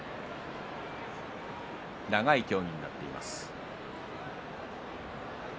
長い協議になっています。